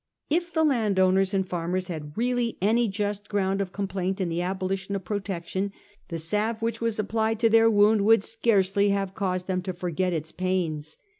If the landowners and farmers had really any just ground of complaint in the abolition of protection, the salve which was applied to their wound would scarcely have caused them to forget its pains.